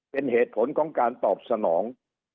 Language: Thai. เป็นเหตุผลของการตอบสนอง